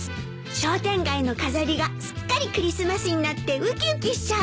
商店街の飾りがすっかりクリスマスになって浮き浮きしちゃう。